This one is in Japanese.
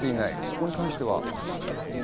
これに関しては？